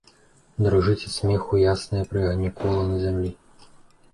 Дрыжыць ад смеху яснае пры агні кола на зямлі.